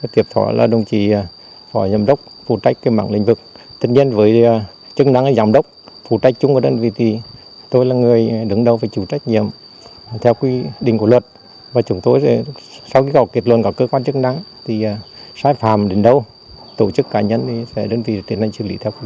thì sai phàm đến đâu tổ chức cá nhân sẽ đơn vị tiền năng chức lý theo quy định